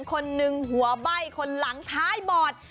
คนหนึ่งหัวใบ้คนหลังท้ายบอด